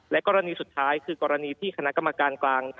กรณีสุดท้ายคือกรณีที่คณะกรรมการกลาง